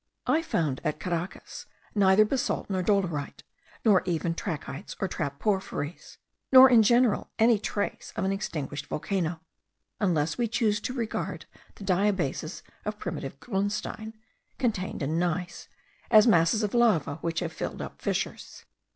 I found at Caracas neither basalt nor dorolite, nor even trachytes or trap porphyries; nor in general any trace of an extinguished volcano, unless we choose to regard the diabases of primitive grunstein, contained in gneiss, as masses of lava, which have filled up fissures.